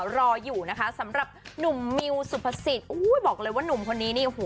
รออยู่นะคะสำหรับหนุ่มมิวสุภสิทธิ์บอกเลยว่านุ่มคนนี้นี่โอ้โห